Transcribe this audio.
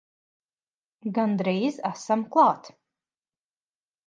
Gandrīz esam klāt!